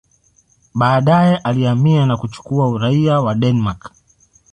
Baadaye alihamia na kuchukua uraia wa Denmark.